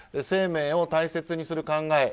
生命を大切にする考え